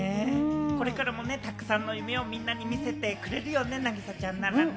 これからもたくさんの夢をみんなに見せてくれるよね、凪咲ちゃんならね。